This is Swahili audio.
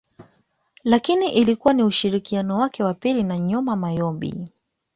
Lakini ilikuwa na ushirikiano wake wa pili na Nyoma Moyib